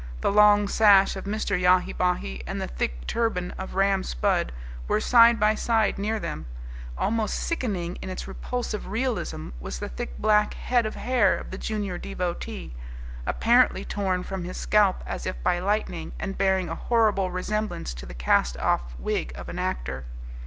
The long sash of Yahi Bahi and the thick turban of Ram Spudd were side by side near them; almost sickening in its repulsive realism was the thick black head of hair of the junior devotee, apparently torn from his scalp as if by lightning and bearing a horrible resemblance to the cast off wig of an actor.